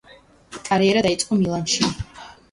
კარიერა დაიწყო „მილანში“.